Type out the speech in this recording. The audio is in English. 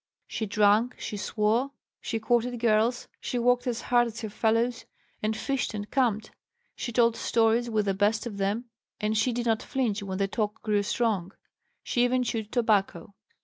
"She drank, she swore, she courted girls, she worked as hard as her fellows, she fished and camped; she told stories with the best of them, and she did not flinch when the talk grew strong. She even chewed tobacco."